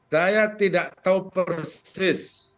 saya tidak tahu persis